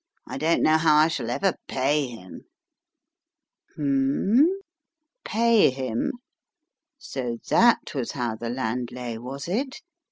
I don't know how I shall ever pay him." Hmn Pay him? So that was how the land lay, was it?